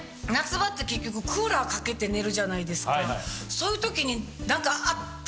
そういう時に何か。